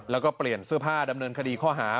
แล้วก็เปลี่ยนเสื้อผ้าดำเนินคดีข้อหา